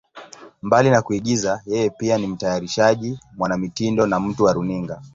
Mbali na kuigiza, yeye pia ni mtayarishaji, mwanamitindo na mtu wa runinga.